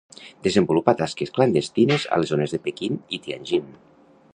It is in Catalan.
Desenvolupa tasques clandestines a les zones de Pequín i Tianjin.